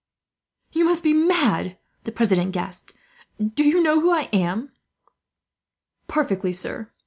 "You must be mad," the president gasped. "Do you know who I am?" "Perfectly, sir.